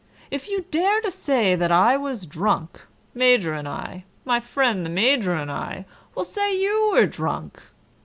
"If you dare to say that I was drunk, Major and I, my fren' the Major and I will say you were drunk.